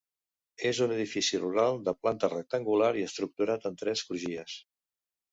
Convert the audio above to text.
És un edifici rural de planta rectangular i estructurat en tres crugies.